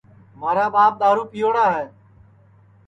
مھارا ٻاپ دؔارو پیوڑ ہے